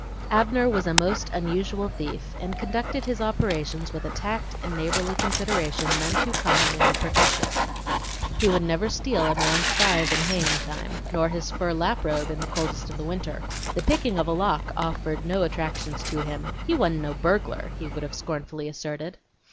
Abner was a most unusual thief, and conducted his operations with a tact and neighborly consideration none too common in the profession. He would never steal a man's scythe in haying time, nor his fur lap robe in the coldest of the winter. The picking of a lock offered no attractions to him; "he wa'n't no burglar," he would have scornfully asserted.